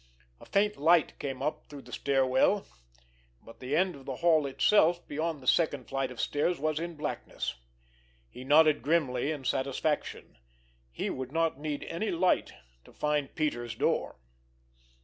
A faint light came up through the stair well, but the end of the hall itself beyond the second flight of stairs was in blackness. He nodded grimly in satisfaction. He would not need any light to find Peters' door!